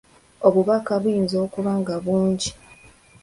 Obubaka buyinza okuba nga bungi.